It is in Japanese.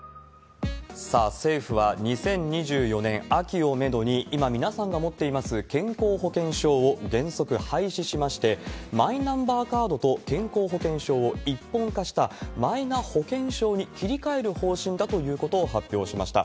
さあ、政府は２０２４年秋をメドに、今、皆さんが持っています健康保険証を原則廃止しまして、マイナンバーカードと健康保険証を一本化した、マイナ保険証に切り替える方針だということを発表しました。